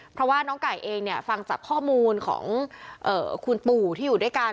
เพราะว่าน้องไก่เองเนี่ยฟังจากข้อมูลของคุณปู่ที่อยู่ด้วยกัน